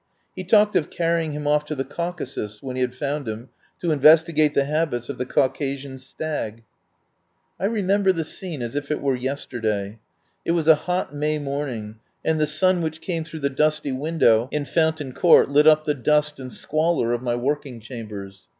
He talked of carry ing him off to the Caucasus when he had found him, to investigate the habits of the Caucasian stag. I remember the scene as if it were yester day. It was a hot May morning, and the sun which came through the dusty window in 23 THE POWER HOUSE Fountain Court lit up the dust and squalor of my working chambers.